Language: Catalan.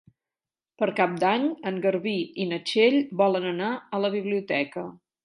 Per Cap d'Any en Garbí i na Txell volen anar a la biblioteca.